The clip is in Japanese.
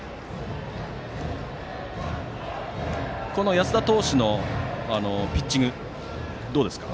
安田投手のピッチングどうですか？